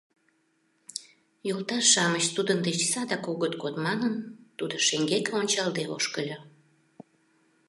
Йолташ-шамыч тудын деч садак огыт код, манын тудо шеҥгеке ончалде ошкыльо.